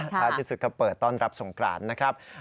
ที่สุดครับเปิดตอนรับสงครานนะครับ